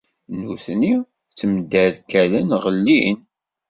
Nutni ttemderkalen, ɣellin.